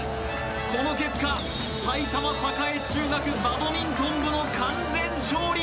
この結果埼玉栄中学バドミントン部の完全勝利！